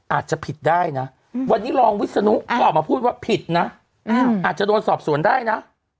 อาจจะผิดได้นะวันนี้รองวิศนุก็ออกมาพูดว่าผิดนะอาจจะโดนสอบสวนได้นะ